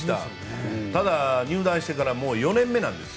ただ、入団してから４年目なんです。